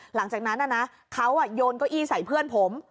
หลังจากนั้นเขาโยนเก้าอี้ใส่เพื่อนผม